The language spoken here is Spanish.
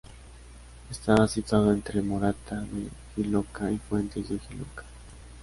Estaba situada entre Morata de Jiloca y Fuentes de Jiloca.